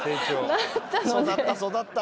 育った育った。